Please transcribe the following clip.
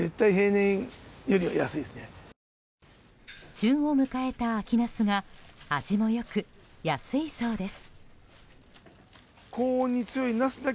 旬を迎えた秋ナスが味も良く、安いそうです。